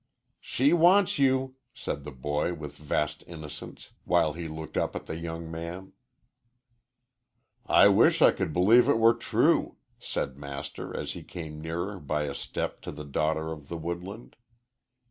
"She wants you," said the boy, with vast innocence, while he looked up at the young man. "I wish I could believe it were true," said Master, as he came nearer by a step to the daughter of the woodland.